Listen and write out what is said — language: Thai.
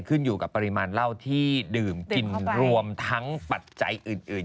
ขึ้นอยู่กับปริมาณเหล้าที่ดื่มกินรวมทั้งปัจจัยอื่น